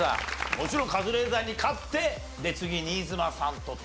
もちろんカズレーザーに勝って次新妻さんとと。